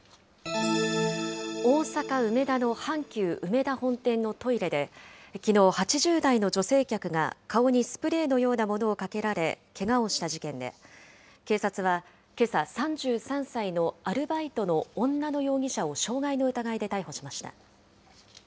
大阪・梅田の阪急うめだ本店のトイレで、きのう、８０代の女性客が、顔にスプレーのようなものをかけられ、けがをした事件で、警察はけさ、３３歳のアルバイトの女の容疑者を傷害の疑いで逮捕しました。